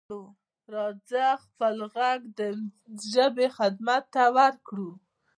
راځه خپل غږ د ژبې خدمت ته ورکړو.